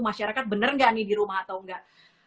masyarakat bener gak nih di rumah atau enggak